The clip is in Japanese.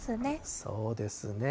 そうですね。